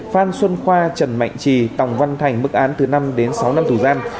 phan xuân khoa trần mạnh trì tòng văn thành bức án từ năm sáu năm tù gian